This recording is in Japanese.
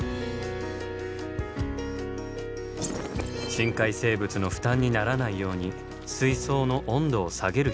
深海生物の負担にならないように水槽の温度を下げる必要が。